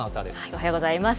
おはようございます。